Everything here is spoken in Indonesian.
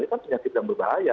ini kan penyakit yang berbahaya